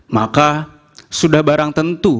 maka sudah barang tentu